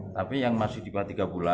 tapi yang masih dikelah tiga bulan